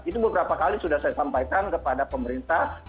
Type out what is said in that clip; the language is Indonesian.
itu beberapa kali sudah saya sampaikan kepada pemerintah